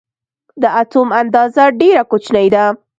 د اتوم اندازه ډېره کوچنۍ ده.